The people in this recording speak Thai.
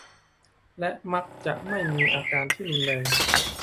และมักจะไม่มีอาการที่รุนแรง